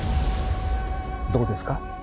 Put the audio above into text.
どうですか？